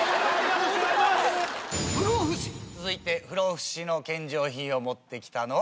続いて不老不死の献上品を持ってきたのは。